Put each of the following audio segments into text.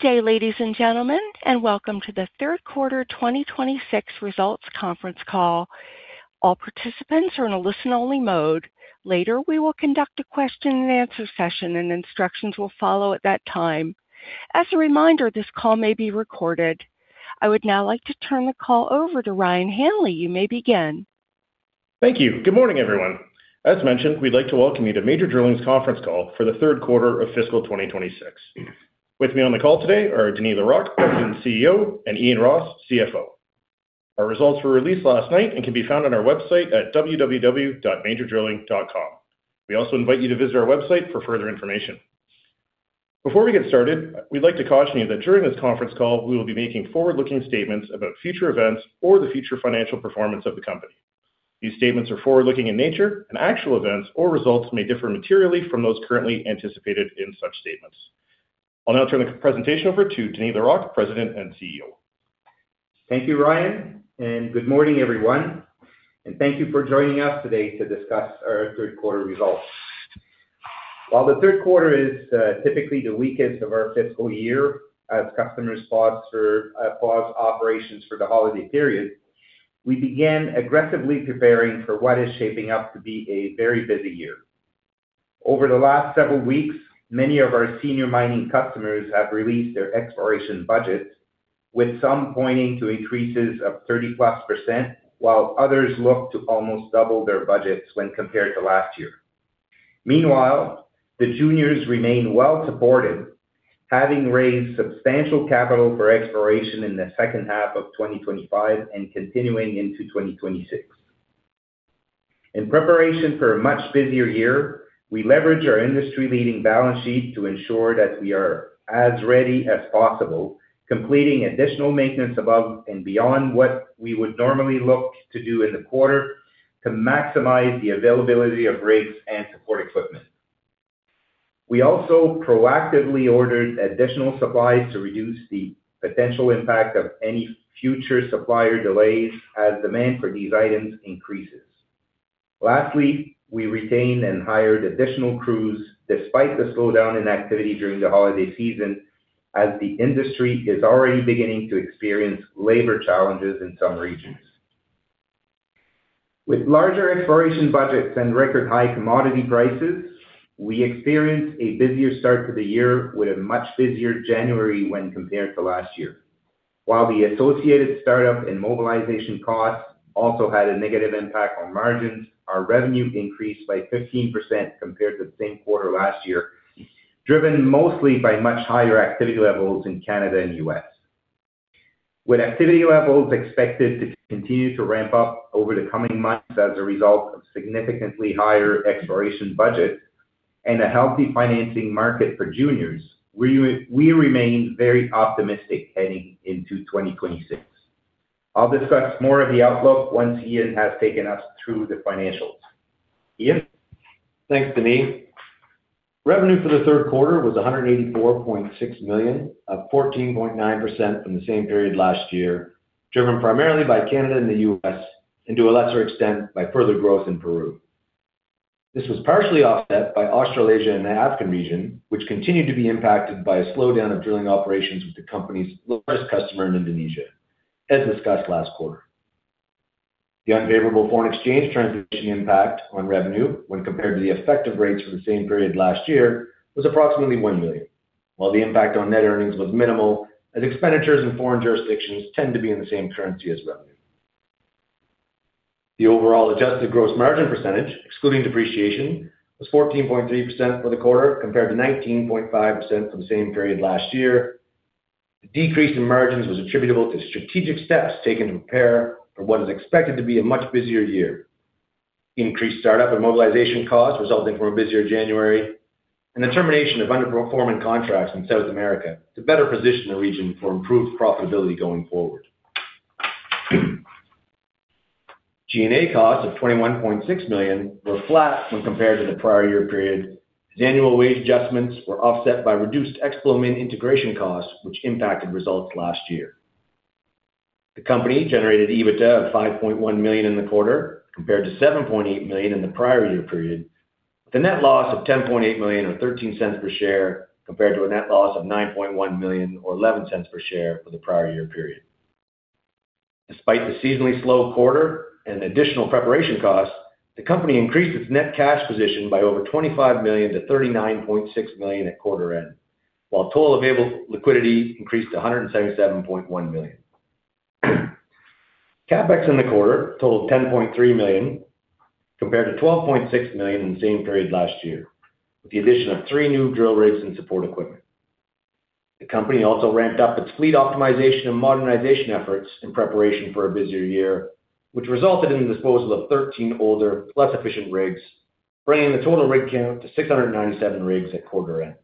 Good day, ladies and gentlemen, welcome to the third quarter, 2026 results conference call. All participants are in a listen-only mode. Later, we will conduct a question and answer session, instructions will follow at that time. As a reminder, this call may be recorded. I would now like to turn the call over to Ryan Hanley. You may begin. Thank you. Good morning, everyone. As mentioned, we'd like to welcome you to Major Drilling's conference call for the third quarter of fiscal 2026. With me on the call today are Denis Larocque, President and CEO, and Ian Ross, CFO. Our results were released last night and can be found on our website at www.majordrilling.com. We also invite you to visit our website for further information. Before we get started, we'd like to caution you that during this conference call, we will be making forward-looking statements about future events or the future financial performance of the company. These statements are forward-looking in nature, and actual events or results may differ materially from those currently anticipated in such statements. I'll now turn the presentation over to Denis Larocque, President and CEO. Thank you, Ryan, and good morning, everyone, and thank you for joining us today to discuss our 3rd quarter results. While the third quarter is typically the weakest of our fiscal year, as customers pause for pause operations for the holiday period, we began aggressively preparing for what is shaping up to be a very busy year. Over the last several weeks, many of our senior mining customers have released their exploration budgets, with some pointing to increases of 30+%, while others look to almost double their budgets when compared to last year. Meanwhile, the juniors remain well supported, having raised substantial capital for exploration in the second half of 2025 and continuing into 2026. In preparation for a much busier year, we leveraged our industry-leading balance sheet to ensure that we are as ready as possible, completing additional maintenance above and beyond what we would normally look to do in the quarter to maximize the availability of rigs and support equipment. We also proactively ordered additional supplies to reduce the potential impact of any future supplier delays as demand for these items increases. Lastly, we retained and hired additional crews despite the slowdown in activity during the holiday season, as the industry is already beginning to experience labor challenges in some regions. With larger exploration budgets and record high commodity prices, we experienced a busier start to the year with a much busier January when compared to last year. While the associated startup and mobilization costs also had a negative impact on margins, our revenue increased by 15% compared to the same quarter last year, driven mostly by much higher activity levels in Canada and U.S. With activity levels expected to continue to ramp up over the coming months as a result of significantly higher exploration budgets and a healthy financing market for juniors, we remain very optimistic heading into 2026. I'll discuss more of the outlook once Ian has taken us through the financials. Ian? Thanks, Denis. Revenue for the third quarter was 184.6 million, up 14.9% from the same period last year, driven primarily by Canada and the U.S., and to a lesser extent, by further growth in Peru. This was partially offset by Australasia and the African region, which continued to be impacted by a slowdown of drilling operations with the company's largest customer in Indonesia, as discussed last quarter. The unfavorable foreign exchange transaction impact on revenue when compared to the effective rates for the same period last year, was approximately 1 million. While the impact on net earnings was minimal, as expenditures in foreign jurisdictions tend to be in the same currency as revenue. The overall adjusted gross margin percentage, excluding depreciation, was 14.3% for the quarter, compared to 19.5% for the same period last year. The decrease in margins was attributable to strategic steps taken to prepare for what is expected to be a much busier year. Increased startup and mobilization costs resulting from a busier January, and the termination of underperforming contracts in South America to better position the region for improved profitability going forward. G&A costs of 21.6 million were flat when compared to the prior year period, as annual wage adjustments were offset by reduced exploration integration costs, which impacted results last year. The company generated EBITDA of 5.1 million in the quarter, compared to 7.8 million in the prior year period, with a net loss of 10.8 million or 0.13 per share, compared to a net loss of 9.1 million or 0.11 per share for the prior year period. Despite the seasonally slow quarter and additional preparation costs, the company increased its net cash position by over 25 million-39.6 million at quarter end, while total available liquidity increased to 177.1 million. CapEx in the quarter totaled 10.3 million, compared to 12.6 million in the same period last year, with the addition of three new drill rigs and support equipment. The company also ramped up its fleet optimization and modernization efforts in preparation for a busier year, which resulted in the disposal of 13 older, less efficient rigs, bringing the total rig count to 697 rigs at quarter end.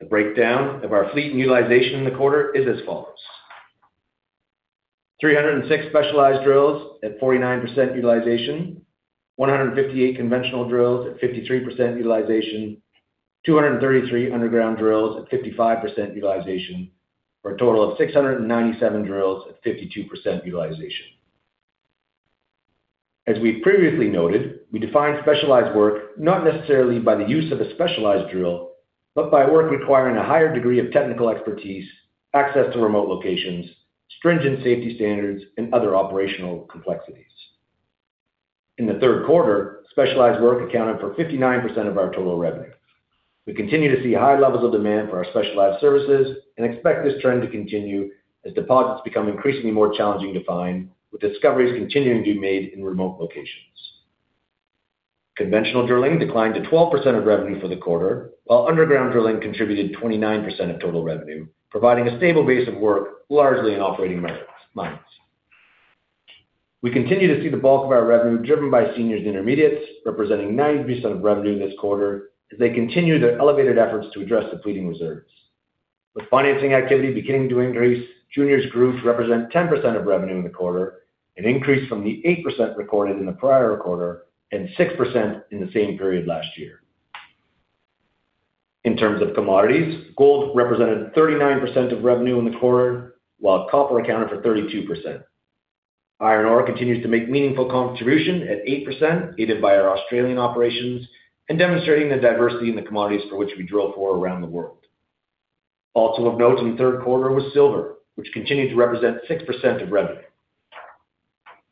The breakdown of our fleet and utilization in the quarter is as follows: 306 specialized drills at 49% utilization, 158 conventional drills at 53% utilization, 233 underground drills at 55% utilization, for a total of 697 drills at 52% utilization. We've previously noted, we define specialized work not necessarily by the use of a specialized drill, but by work requiring a higher degree of technical expertise, access to remote locations, stringent safety standards, and other operational complexities. In the third quarter, specialized work accounted for 59% of our total revenue. We continue to see high levels of demand for our specialized services and expect this trend to continue as deposits become increasingly more challenging to find, with discoveries continuing to be made in remote locations. Conventional drilling declined to 12% of revenue for the quarter, while underground drilling contributed 29% of total revenue, providing a stable base of work, largely in operating mines. We continue to see the bulk of our revenue driven by seniors intermediates, representing 90% of revenue this quarter, as they continue their elevated efforts to address depleting reserves. With financing activity beginning to increase, juniors groups represent 10% of revenue in the quarter, an increase from the 8% recorded in the prior quarter and 6% in the same period last year. In terms of commodities, gold represented 39% of revenue in the quarter, while copper accounted for 32%. Iron ore continues to make meaningful contribution at 8%, aided by our Australian operations and demonstrating the diversity in the commodities for which we drill for around the world. Also of note in the third quarter was silver, which continued to represent 6% of revenue.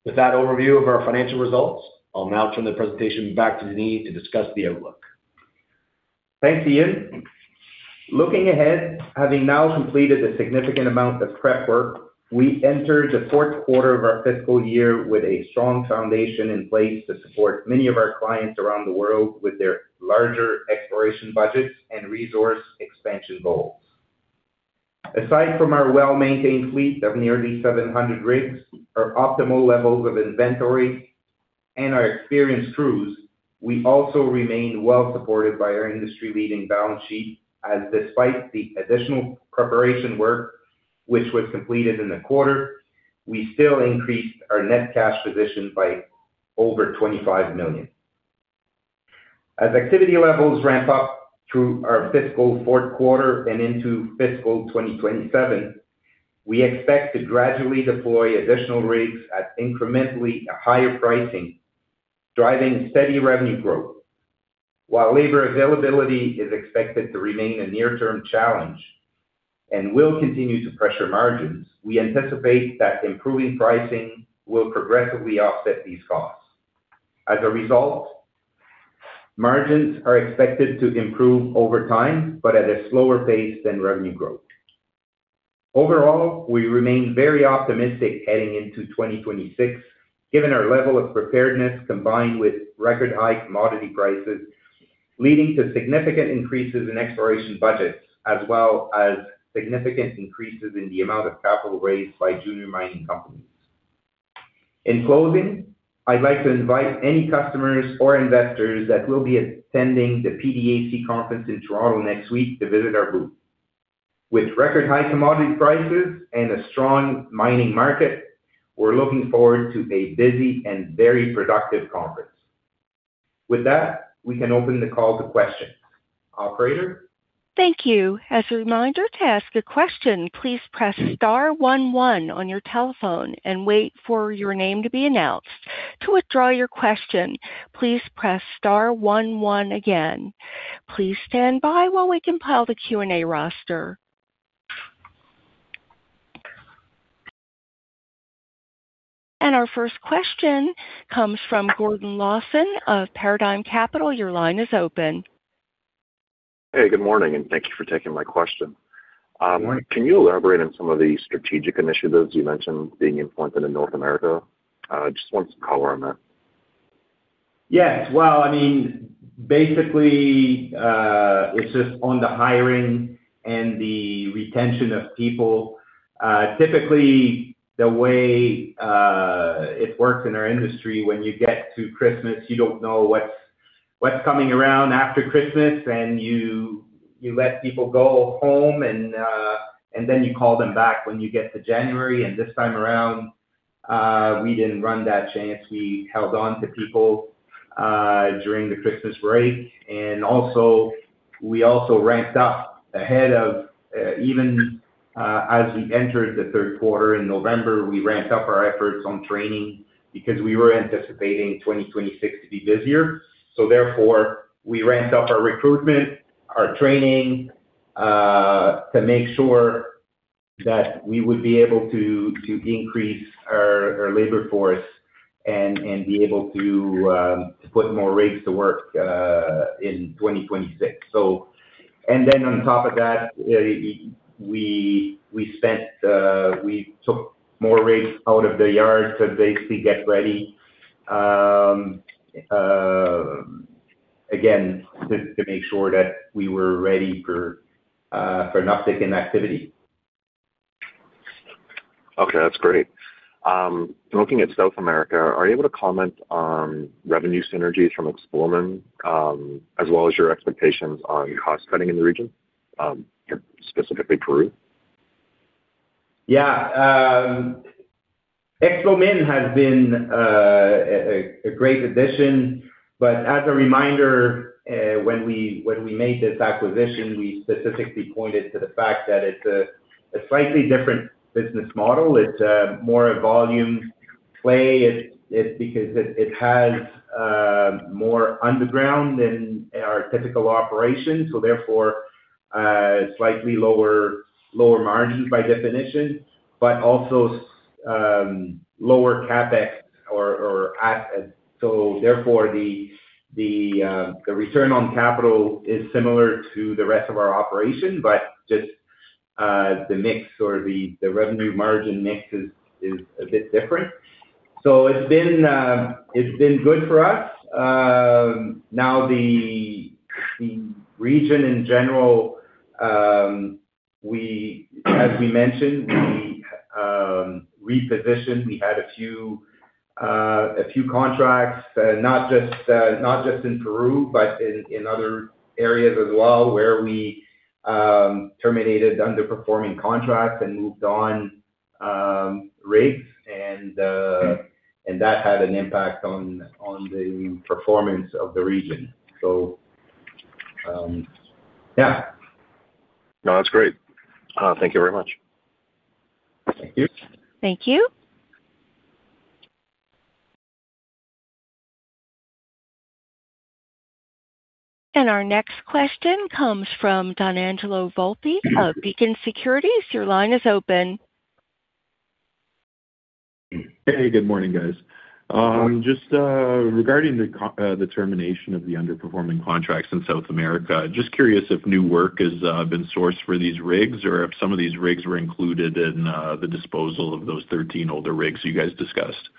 With that overview of our financial results, I'll now turn the presentation back to Denis to discuss the outlook. Thanks, Ian. Looking ahead, having now completed a significant amount of prep work, we entered the fourth quarter of our fiscal year with a strong foundation in place to support many of our clients around the world with their larger exploration budgets and resource expansion goals. Aside from our well-maintained fleet of nearly 700 rigs, our optimal levels of inventory, and our experienced crews, we also remain well supported by our industry-leading balance sheet, as despite the additional preparation work which was completed in the quarter, we still increased our net cash position by over 25 million. Activity levels ramp up through our fiscal fourth quarter and into fiscal 2027, we expect to gradually deploy additional rigs at incrementally higher pricing, driving steady revenue growth. While labor availability is expected to remain a near-term challenge and will continue to pressure margins, we anticipate that improving pricing will progressively offset these costs. As a result, margins are expected to improve over time, but at a slower pace than revenue growth. Overall, we remain very optimistic heading into 2026, given our level of preparedness, combined with record high commodity prices, leading to significant increases in exploration budgets, as well as significant increases in the amount of capital raised by junior mining companies. In closing, I'd like to invite any customers or investors that will be attending the PDAC conference in Toronto next week to visit our booth. With record high commodity prices and a strong mining market, we're looking forward to a busy and very conference. With that, we can open the call to questions. Operator? Thank you. As a reminder, to ask a question, please press star one one on your telephone and wait for your name to be announced. To withdraw your question, please press star one one again. Please stand by while we compile the Q&A roster. Our first question comes from Gordon Lawson of Paradigm Capital. Your line is open. Hey, good morning, thank you for taking my question. Can you elaborate on some of the strategic initiatives you mentioned being implemented in North America? Just want some color on that. Yes. Well, I mean, basically, it's just on the hiring and the retention of people. Typically, the way it works in our industry, when you get to Christmas, you don't know what's coming around after Christmas, and you let people go home, and then you call them back when you get to January. This time around, we didn't run that chance. We held on to people during the Christmas break, and also, we also ramped up ahead of even as we entered the third quarter in November, we ramped up our efforts on training because we were anticipating 2026 to be busier. We ramped up our recruitment, our training, to make sure that we would be able to increase our labor force and be able to put more rigs to work in 2026. On top of that, we spent, we took more rigs out of the yard to basically get ready, again, to make sure that we were ready for an uptick in activity. Okay, that's great. Looking at South America, are you able to comment on revenue synergies from Explomin, as well as your expectations on cost cutting in the region, specifically Peru? Explomin has been a great addition. As a reminder, when we made this acquisition, we specifically pointed to the fact that it's a slightly different business model. It's more a volume play. It has more underground than our typical operation. Therefore, slightly lower margins by definition, also lower CapEx or. Therefore, the return on capital is similar to the rest of our operation, just the mix or the revenue margin mix is a bit different. It's been good for us. Now, the region in general, as we mentioned, we repositioned. We had a few, a few contracts, not just, not just in Peru, but in other areas as well, where we terminated underperforming contracts and moved on, rigs, and that had an impact on the performance of the region. Yeah. No, that's great. Thank you very much. Thank you. Thank you. Our next question comes from Donangelo Volpe of Beacon Securities. Your line is open. Hey, good morning, guys. Just regarding the termination of the underperforming contracts in South America, just curious if new work has been sourced for these rigs, or if some of these rigs were included in the disposal of those 13 older rigs you guys discussed?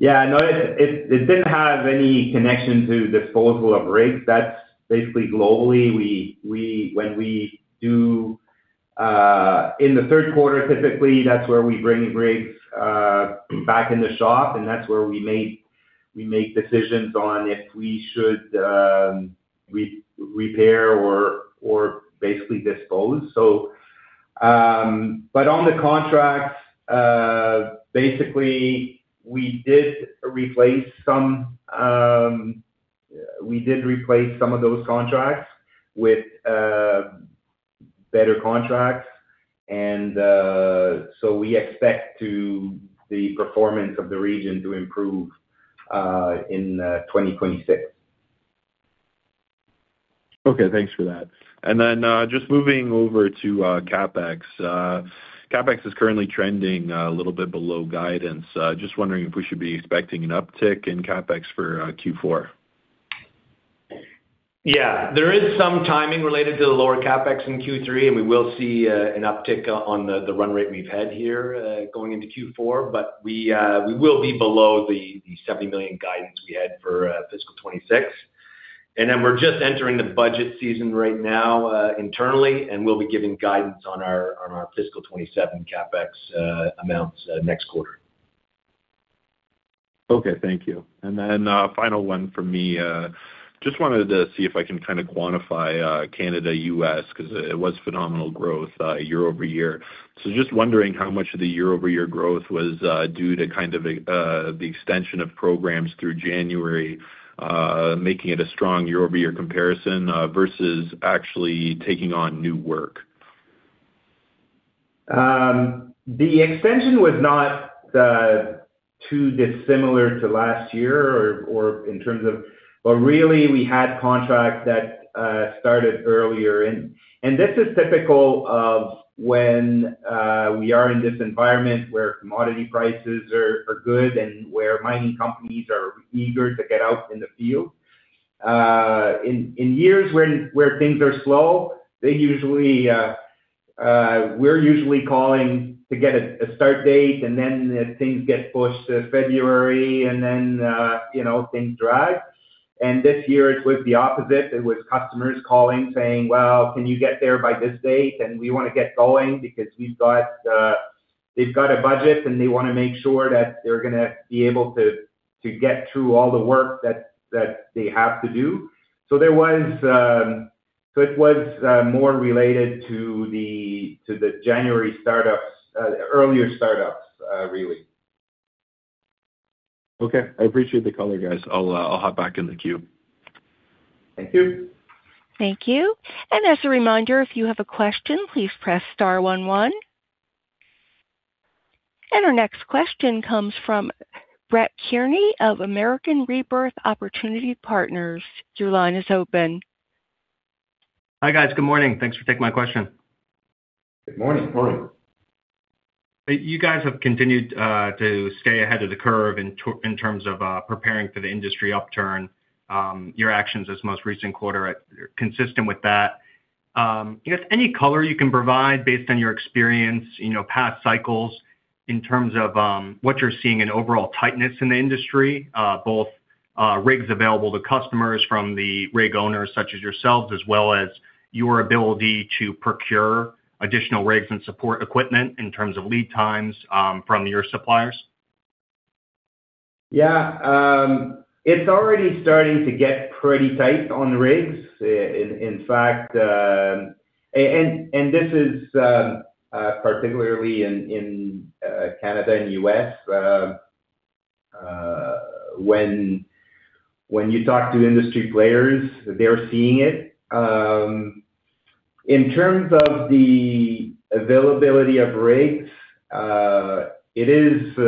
No, it didn't have any connection to disposal of rigs. That's basically globally. When we do in the third quarter, typically, that's where we bring rigs back in the shop, and that's where we make decisions on if we should repair or basically dispose. On the contracts, basically we did replace some of those contracts with better contracts. We expect to the performance of the region to improve in 2026. Okay, thanks for that. Just moving over to CapEx. CapEx is currently trending a little bit below guidance. Just wondering if we should be expecting an uptick in for Q4? Yeah, there is some timing related to the lower CapEx in Q3, and we will see an uptick on the run rate we've had here going into Q4. We will be below the 70 million guidance we had for fiscal 2026. We're just entering the budget season right now internally, and we'll be giving guidance on our fiscal 2027 CapEx amounts next quarter. Okay, thank you. Final one from me. Just wanted to see if I can kind of quantify Canada, U.S., because it was phenomenal growth year-over-year. Just wondering how much of the year-over-year growth was due to kind of the extension of programs through January, making it a strong year-over-year comparison versus actually taking on new work? The extension was not too dissimilar to last year or in terms of... Really, we had contracts that started earlier. This is typical of when we are in this environment where commodity prices are good and where mining companies are eager to get out in the field. In years where things are slow, they usually, we're usually calling to get a start date, and then if things get pushed to February, and then, you know, things drag. This year it was the opposite. It was customers calling, saying, "Well, can you get there by this date? We want to get going because we've got, they've got a budget, and they want to make sure that they're gonna be able to get through all the work that they have to do. There was, so it was more related to the January startups, earlier startups, really. Okay. I appreciate the call there, guys. I'll hop back in the queue. Thank you. Thank you. As a reminder, if you have a question, please press star one one. Our next question comes from Brett Kearney of American Rebirth Opportunity Partners. Your line is open. Hi, guys. Good morning. Thanks for taking my question. Good morning. Morning. You guys have continued to stay ahead of the curve in terms of preparing for the industry upturn. Your actions this most recent quarter are consistent with that. I guess, any color you can provide based on your experience, you know, past cycles in terms of what you're seeing in overall tightness in the industry, both rigs available to customers from the rig owners such as yourselves, as well as your ability to procure additional rigs and support equipment in terms of lead times from your suppliers? Yeah. It's already starting to get pretty tight on the rigs. In fact, this is particularly in Canada and U.S. when you talk to industry players, they're seeing it. In terms of the availability of rigs, it is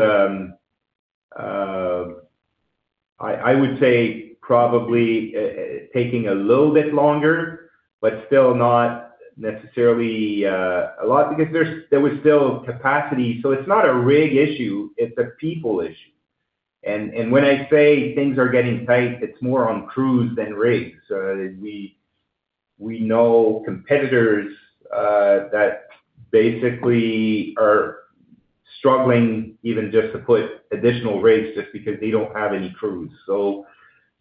I would say probably taking a little bit longer, but still not necessarily a lot because there's, there was still capacity. It's not a rig issue, it's a people issue. When I say things are getting tight, it's more on crews than rigs. We know competitors that basically are struggling even just to put additional rigs just because they don't have any crews.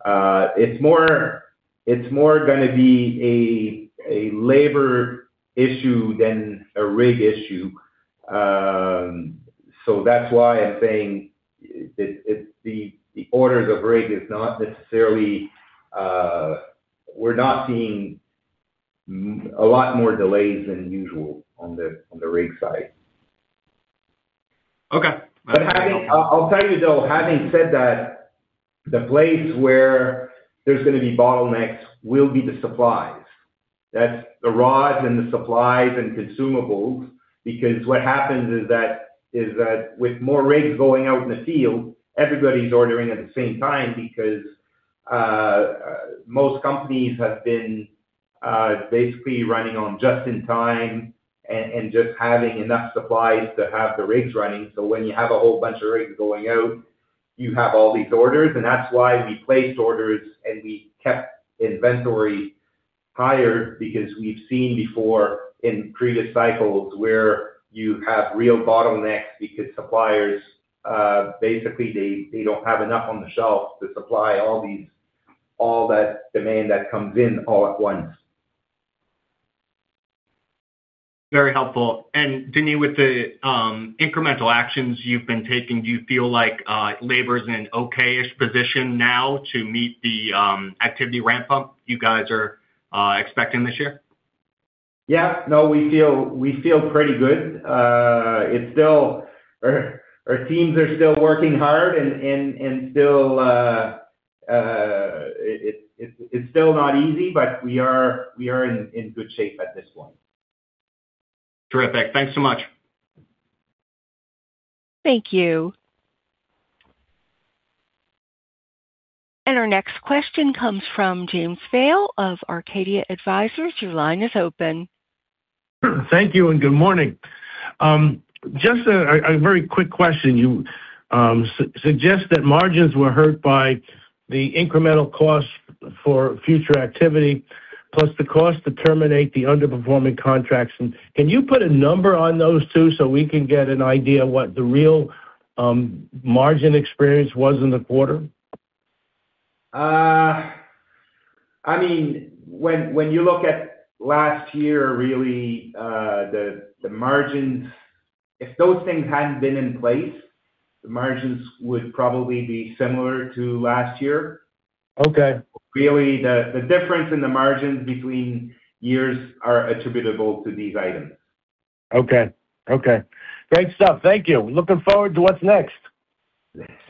It's more gonna be a labor issue than a rig issue. That's why I'm saying it, the orders of rig is not necessarily we're not seeing a lot more delays than usual on the rig side. Okay. I'll tell you though, having said that, the place where there's gonna be bottlenecks will be the supplies. That's the rods and the supplies and consumables, because what happens is that with more rigs going out in the field, everybody's ordering at the same time because most companies have been basically running on just in time and just having enough supplies to have the rigs running. When you have a whole bunch of rigs going out, you have all these orders, and that's why we placed orders and we kept inventory higher. We've seen before in previous cycles where you have real bottlenecks because suppliers basically, they don't have enough on the shelf to supply all these, all that demand that comes in all at once. Very helpful. Denis, with the incremental actions you've been taking, do you feel like labor is in an okay-ish position now to meet the activity ramp-up you guys are expecting this year? No, we feel pretty good. Our teams are still working hard and still, it's still not easy. We are in good shape at this point. Terrific. Thanks so much. Thank you. Our next question comes from James Vail of Arcadia Advisors. Your line is open. Thank you, and good morning. just a very quick question. You suggest that margins were hurt by the incremental costs for future activity, plus the cost to terminate the underperforming contracts. Can you put a number on those two so we can get an idea of what the real margin experience was in the quarter? I mean, when you look at last year, really, the margins, if those things hadn't been in place, the margins would probably be similar to last year. Okay. The difference in the margins between years are attributable to these items. Okay. Okay. Great stuff. Thank you. Looking forward to what's next.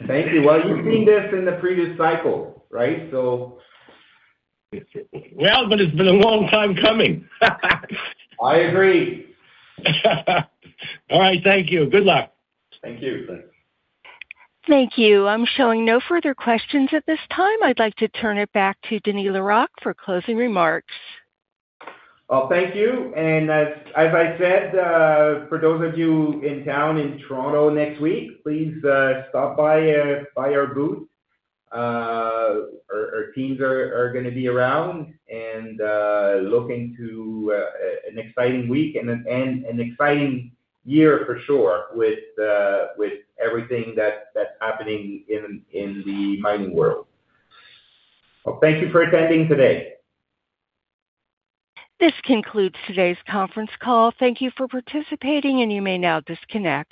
Thank you. Well, you've seen this in the previous cycle, right? Well, it's been a long time coming. I agree. All right. Thank you. Good luck. Thank you. Thank you. I'm showing no further questions at this time. I'd like to turn it back to Denis Larocque for closing remarks. Well, thank you. As I said, for those of you in town in Toronto next week, please, stop by our booth. Our teams are gonna be around and, looking to, an exciting week and an exciting year for sure with, everything that's happening in the mining world. Well, thank you for attending today. This concludes today's conference call. Thank you for participating, and you may now disconnect.